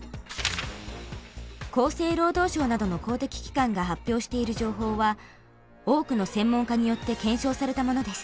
厚生労働省などの公的機関が発表している情報は多くの専門家によって検証されたものです。